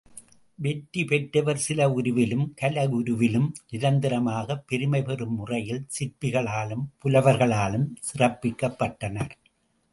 வெற்றி பெற்றவர் சில உருவிலும், கலை உருவிலும் நிரந்தரமாகப் பெருமை பெறும் முறையில், சிற்பிகளாலும், புலவர்களாலும், சிறப்பிக்கப்பட்டனர்.